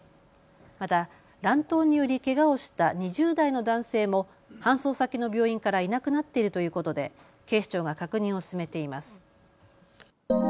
また乱闘によりけがをした２０代の男性も搬送先の病院からいなくなっているということで警視庁が確認を進めています。